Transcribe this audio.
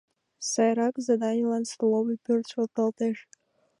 Сайрак зданийлан столовый пӧрт шотлалтеш.